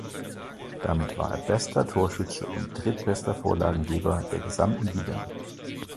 Damit war er bester Torschütze und drittbester Vorlagengeber der gesamten Liga.